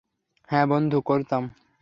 হ্যাঁ, বন্ধু, করতাম।